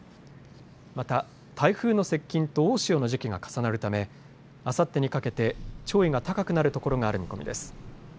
また台風の接近と大潮の時期が重なるためあさってにかけて潮位が高くなるところがある見込みです。